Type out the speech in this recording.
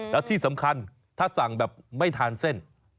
แล้วที่สำคัญถ้าสั่งแบบไม่ทานเส้น